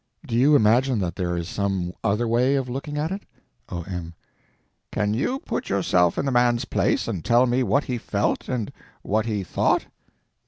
Do you imagine that there is some other way of looking at it? O.M. Can you put yourself in the man's place and tell me what he felt and what he thought?